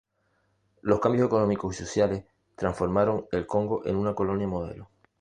Los cambios económicos y sociales transformaron el Congo en una "colonia modelo".